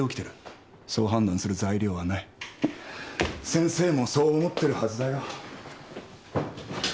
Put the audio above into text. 先生もそう思ってるはずだよ。